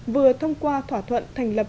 vừa thông qua thỏa thuận thành lập